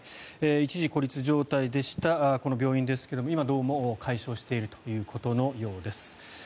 一時、孤立状態でしたこの病院ですが今、どうも解消しているということのようです。